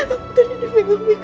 aku tadi di pengamping